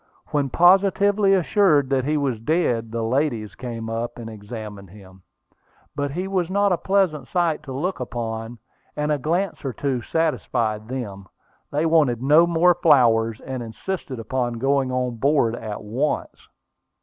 When positively assured that he was dead, the ladies came up and examined him. But he was not a pleasant sight to look upon, and a glance or two satisfied them. They wanted no more flowers, and insisted upon going on board at once.